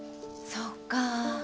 そっか。